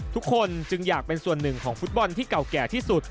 ทุกคนจึงอยากเป็นส่วนหนึ่งของฟุตบอลที่เก่าแก่ที่สุด